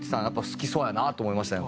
好きそうやなと思いましたね